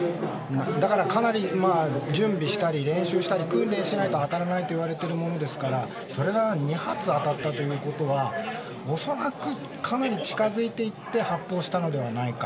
だから、かなり準備したり練習したり、訓練しないと当たらないといわれているものですからそれが２発当たったということは恐らくかなり近づいていって発砲していったのではないか。